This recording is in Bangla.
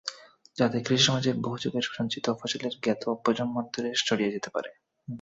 যাতে কৃষিসমাজের বহু যুগের সঞ্চিত ফসলের জ্ঞান প্রজন্মান্তরে ছড়িয়ে যেতে পারে।